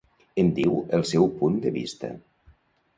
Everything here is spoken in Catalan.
Em diu el seu punt de vista.